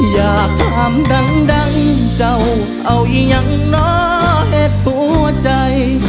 อย่าถามดังเจ้าเอายังเนาะเหตุผัวใจ